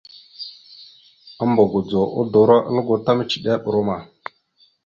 Ambogodzo udoróalgo ta micədere brom a.